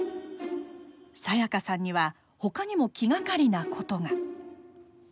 清香さんにはほかにも気がかりなことが。